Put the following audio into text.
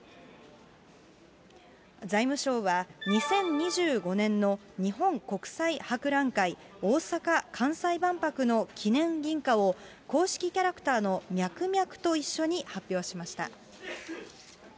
財務省は、２０２５年の日本国際博覧会、大阪・関西万博の記念銀貨を、公式キャラクターのみゃくみゃくと一緒に発表しました。